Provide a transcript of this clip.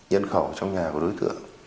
nhân khẩu trong nhà của đối tượng